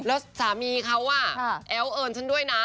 แล้วสามีเขาแอ้วเอิญฉันด้วยนะ